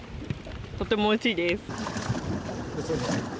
とてもおいしいです。